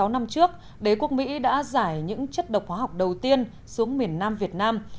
sáu năm trước đế quốc mỹ đã giải những chất độc hóa học đầu tiên xuống miền nam việt nam